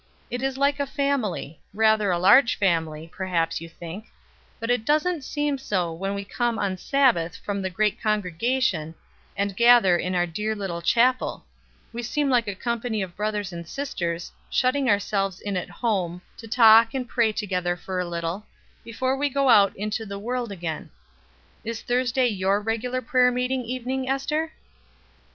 It is like a family rather a large family, perhaps you think but it doesn't seem so when we come on Sabbath, from the great congregation, and gather in our dear little chapel we seem like a company of brothers and sisters, shutting ourselves in at home, to talk and pray together for a little, before we go out into the world again. Is Thursday your regular prayer meeting evening, Ester?"